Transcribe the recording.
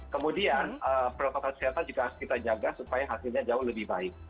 kemudian protokol kesehatan juga harus kita jaga supaya hasilnya jauh lebih baik